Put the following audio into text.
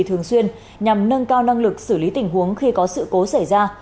thường xuyên nhằm nâng cao năng lực xử lý tình huống khi có sự cố xảy ra